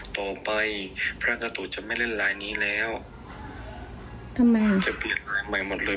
ต่อไปพระกาศตุจะไม่เล่นไลน์นี้แล้วทำไมจะเปลี่ยนไลน์ใหม่หมดเลย